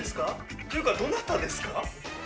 っていうか、どなたですか？